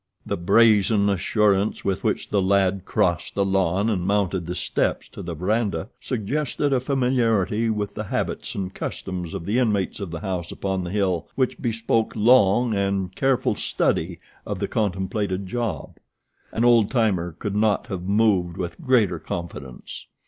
The brazen assurance with which the lad crossed the lawn and mounted the steps to the verandah suggested a familiarity with the habits and customs of the inmates of the house upon the hill which bespoke long and careful study of the contemplated job. An old timer could not have moved with greater confidence.